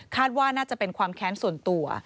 ว่าน่าจะเป็นความแค้นส่วนตัว